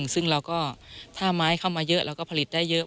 ซึ่งเราก็ถ้าไม้เข้ามาเยอะเราก็ผลิตได้เยอะ